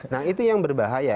nah itu yang berbahaya